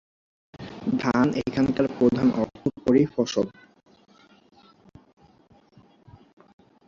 ধান এখানকার প্রধান অর্থকরী ফসল।